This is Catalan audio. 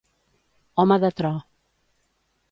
Home de tro.